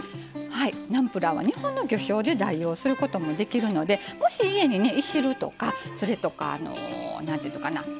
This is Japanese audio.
ナムプラーは日本の魚しょうで代用することもできるのでもし家にいしるとかそれとか。